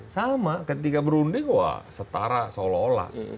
sama ketika berunding wah setara seolah olah